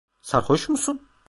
Sarhoş musun?